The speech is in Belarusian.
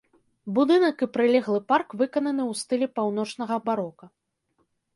Будынак і прылеглы парк выкананы ў стылі паўночнага барока.